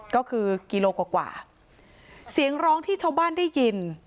ก็คือกิโลกว่ากว่าเสียงร้องที่ชาวบ้านได้ยิน